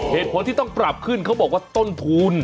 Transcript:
เหตุผลที่ต้องปรับขึ้นเขาบอกว่าต้นทุน